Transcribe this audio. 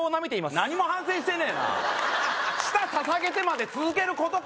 何も反省してねえな舌ささげてまで続けることか？